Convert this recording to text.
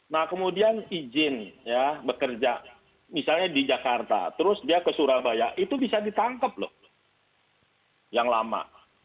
nah kemudian izin ya bekerja misalnya di jakarta terus dia ke surabaya itu bisa ditangkap loh yang lama